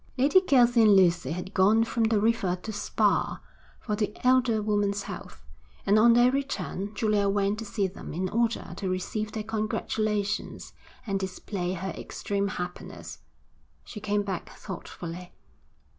Lady Kelsey and Lucy had gone from the River to Spa, for the elder woman's health, and on their return Julia went to see them in order to receive their congratulations and display her extreme happiness. She came back thoughtfully.